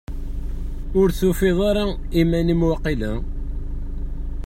Ur tufiḍ ara iman-im, waqila?